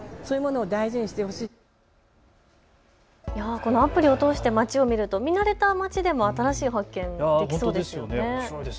このアプリを通して街を見ると見慣れた街でも新しい発見がありそうですね。